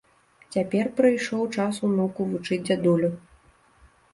Цяпер прыйшоў час унуку вучыць дзядулю.